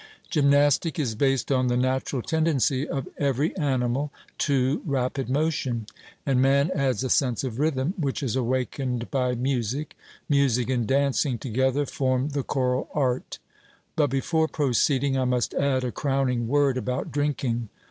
Gymnastic is based on the natural tendency of every animal to rapid motion; and man adds a sense of rhythm, which is awakened by music; music and dancing together form the choral art. But before proceeding I must add a crowning word about drinking.